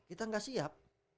kita gak siap